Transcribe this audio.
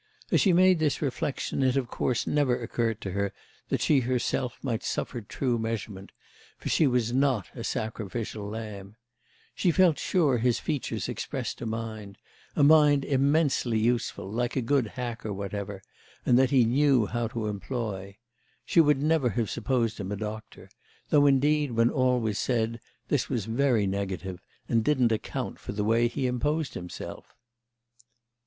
As she made this reflexion it of course never occurred to her that she herself might suffer true measurement, for she was not a sacrificial lamb. She felt sure his features expressed a mind—a mind immensely useful, like a good hack or whatever, and that he knew how to employ. She would never have supposed him a doctor; though indeed when all was said this was very negative and didn't account for the way he imposed himself.